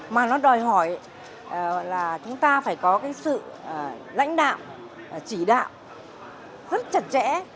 mà nó đòi hỏi là chúng ta phải có cái sự lãnh đạo chỉ đạo rất chặt chẽ